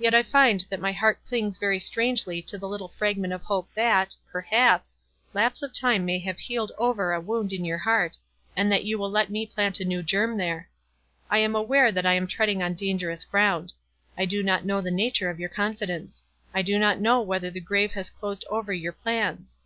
Yet I find that my heart clings very strangly to the little fragment of hope that, perhaps, lapse of time may have healed over a wound in your heart, and that you will let me plant a new germ there. I am aware that I am treading on dangerous ground. I do not know the nature of your confidence. I do not know whether the grave has closed over your plans.